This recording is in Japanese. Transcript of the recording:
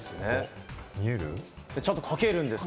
ちゃんと書けるんです。